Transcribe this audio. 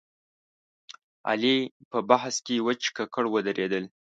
علي په بحث کې وچ ککړ ودرېدل.